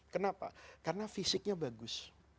kenapa karena fisiknya bagus